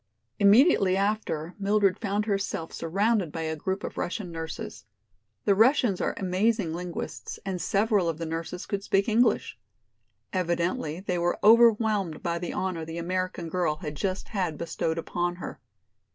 Immediately after Mildred found herself surrounded by a group of Russian nurses. The Russians are amazing linguists and several of the nurses could speak English. Evidently they were overwhelmed by the honor the American girl had just had bestowed upon her.